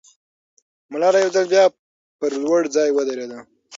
ملاله یو ځل بیا پر لوړ ځای ودرېده.